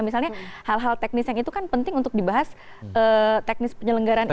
misalnya hal hal teknis yang itu kan penting untuk dibahas teknis penyelenggaraan ini